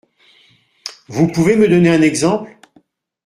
Vous pouvez me donner un exemple ?